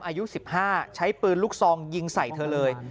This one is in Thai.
อายุ๑๕ใช้ปืนลูกซองยิงใส่เธอเลย